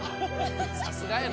さすがやな。